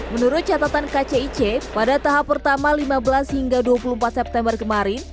menurut catatan kcic pada tahap pertama lima belas hingga dua puluh empat september kemarin